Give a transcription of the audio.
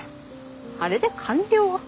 あれで官僚？